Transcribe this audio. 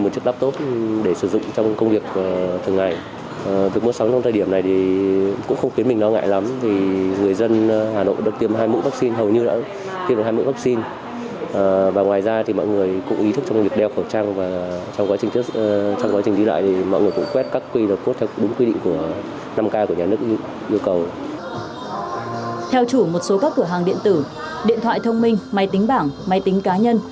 theo chủ một số các cửa hàng điện tử điện thoại thông minh máy tính bảng máy tính cá nhân